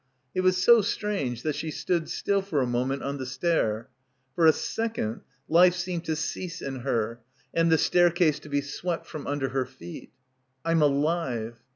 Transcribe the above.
It was so strange that she stood still "for a moment on the stair. For a second, life seemed to cease in her and the staircase to be swept f rom under her feet. ... "I'm alive."